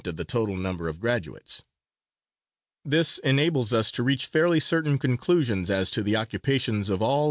of the total number of graduates. This enables us to reach fairly certain conclusions as to the occupations of all college bred Negroes.